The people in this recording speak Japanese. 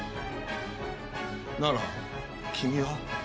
なら君は？